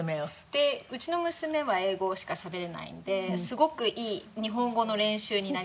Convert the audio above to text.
でうちの娘は英語しかしゃべれないんですごくいい日本語の練習になりますし。